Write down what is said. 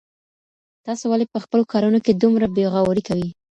تاسو ولي په خپلو کارونو کي دومره بې غوري کوئ؟